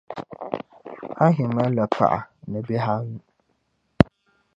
Ahi mali la paɣa ni bihi anu.